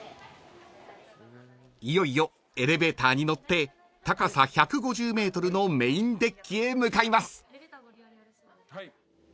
［いよいよエレベーターに乗って高さ１５０ｍのメインデッキへ向かいます］